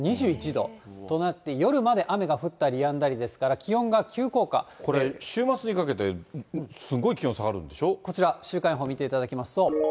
２１度となって、夜まで雨が降ったりやんだりですから、これ、週末にかけて、すごいこちら、週間予報見ていただきますと。